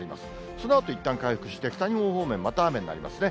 そのあといったん回復して、北日本方面、また雨になりますね。